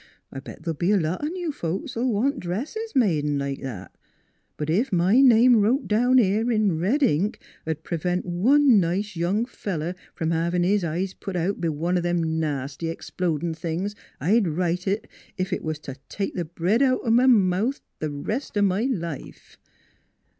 " I'll bet the'll be a lot o' new folks at'll want dresses made, 'n' like that; but ef my name wrote down here in red ink 'd prevent one nice young feller from havin' his eyes put out b' one o' them nasty explodin' things I'd write it ef it was t' take th' bread out o' my mouth th' rest o' my life."